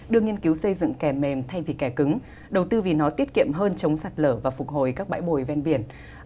đưa nghiên cứu xây dựng kè mềm thay vì kẻ cứng đầu tư vì nó tiết kiệm hơn chống sạt lở và phục hồi các bãi bồi ven biển